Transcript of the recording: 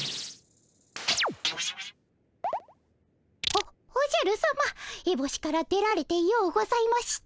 おおじゃるさまエボシから出られてようございました。